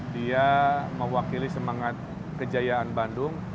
dia mewakili semangat kejayaan bandung